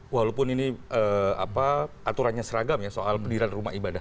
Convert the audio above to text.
walaupun ini aturannya seragam ya soal pendirian rumah ibadah